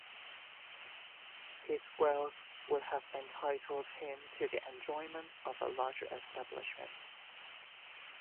His wealth would have entitled him to the enjoyment of a larger establishment.